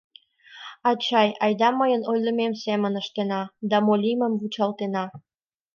Ачай, айда мыйын ойлымем семын ыштена да мо лиймым вучалтена.